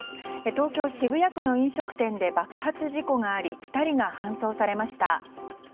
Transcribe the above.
東京・渋谷区の飲食店で爆発事故があり２人が搬送されました。